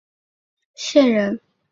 江苏省常州府武进县人。